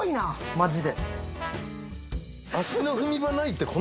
マジで。